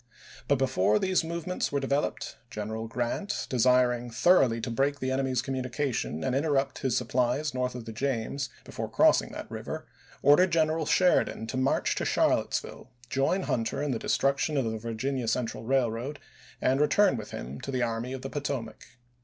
But before these movements were developed, General Grant, desiring thoroughly to break the enemy's communications and interrupt his sup plies north of the James, before crossing that river, ordered General Sheridan to march to Charlottesville, join Hunter in the destruction of the Virginia Central Railroad and return with him to the Army of the Potomac.